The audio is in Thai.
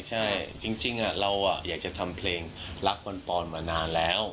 ใช่จริงเราอยากจะทำเพลงรักปันปอนมานานแล้ว